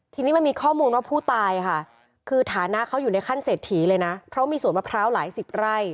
ทีนี้มันมีข้อมูลว่าผู้ตายค่ะคือฐานะเขาอยู่ในขั้นเศรษฐีเลยนะเพราะมีสวนมะพร้าวหลายสิบไร่